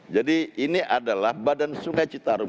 jadi ini adalah badan sungai citarum